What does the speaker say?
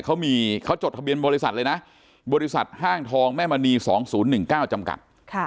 เขามีเขาจดทะเบียนบริษัทเลยนะบริษัทห้างทองแม่มณี๒๐๑๙จำกัด